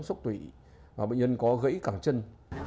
sốc tụy và bệnh nhân có gãy cảng chân